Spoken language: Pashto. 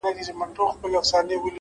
اخلاق د انسان خاموشه ځواک دی،